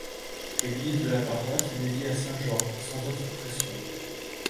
L'église de la paroisse est dédiée à Saint-Georges sans autre précsion.